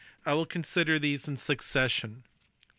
I will consider these in succession.